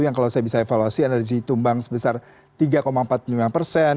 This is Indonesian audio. yang kalau saya bisa evaluasi energi tumbang sebesar tiga empat puluh lima persen